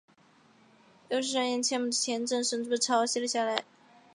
有些杉原千亩的签证甚至被抄写了下来。